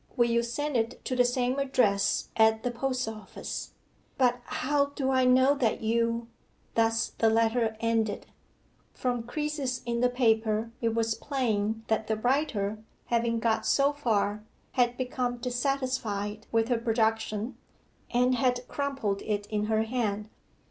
Will you send it to the same address at the post office? But how do I know that you...' Thus the letter ended. From creases in the paper it was plain that the writer, having got so far, had become dissatisfied with her production, and had crumpled it in her hand.